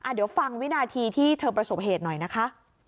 เดี๋ยวฟังวินาทีที่เธอประสบเหตุหน่อยนะคะ